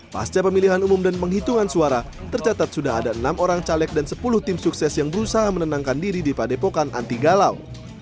pasca pemilihan umum dan penghitungan suara tercatat sudah ada enam orang caleg dan sepuluh tim sukses yang berusaha menenangkan diri di padepokan anti galau